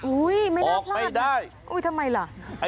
อุ๊ยไม่น่าพลาดนะอุ๊ยทำไมล่ะออกไม่ได้